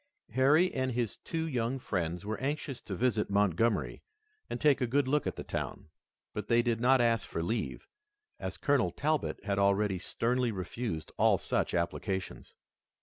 Harry and his two young friends were anxious to visit Montgomery and take a good look at the town, but they did not ask for leave, as Colonel Talbot had already sternly refused all such applications.